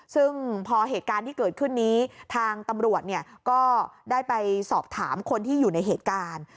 ซึ่งพอเหตุการณ์ที่เกิดขึ้นนี้ทางตำรวจก็ได้ไปสอบถามคนที่อยู่ในเหตุการณ์